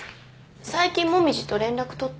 最近紅葉と連絡取った？